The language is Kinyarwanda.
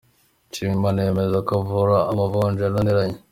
Nshimiyimana yemeza ko avura amavunja yananiranye.